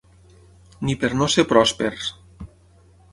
Ni per no ser pròspers.